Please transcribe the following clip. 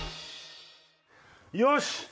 よし！